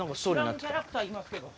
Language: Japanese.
知らんキャラクターいますけど。